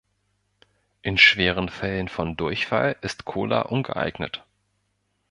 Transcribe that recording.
In schweren Fällen von Durchfall ist Cola ungeeignet.